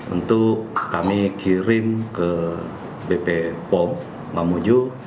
untuk kami kirim ke bp pom mamuju